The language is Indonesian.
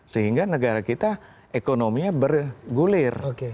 sehingga negara kita ekonominya bergulir